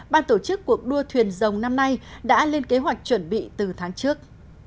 ban tổ chức cuộc đua thuyền rồng năm nay đã lên kế hoạch chuẩn bị từ tháng trước